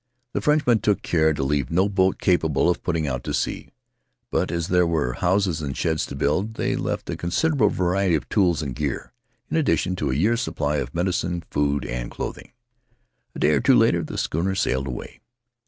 The Frenchmen took care to leave no boat capable of putting out to sea, but as there were houses and sheds to build they left a considerable variety of tools and gear, in addition to a year's supply of medicine, food, and clothing. A day or two later the schooner sailed away.